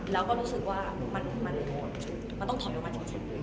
แล้วก็รู้สึกว่ามันต้องถอยออกมาจริง